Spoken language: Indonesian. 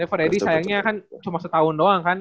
freddy sayangnya kan cuma setahun doang kan